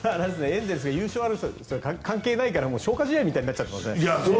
エンゼルスが優勝争い関係ないから消化試合みたいになっちゃって。